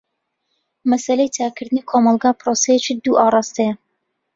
مەسەلەی چاکردنی کۆمەلگا پرۆسەیەکی دوو ئاراستەیە.